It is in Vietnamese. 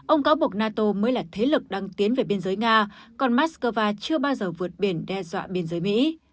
ông cáo buộc nato mới là thế lực đang tiến về biên giới nga còn moscow chưa bao giờ vượt biển đe dọa biên giới mỹ